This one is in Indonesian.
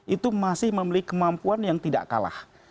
itu masih memiliki kemampuan yang tidak kalah